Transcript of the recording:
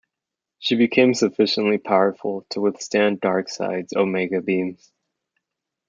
She became sufficiently powerful to withstand Darkseid's Omega Beams.